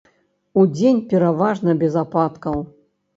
Удзень пераважна без ападкаў.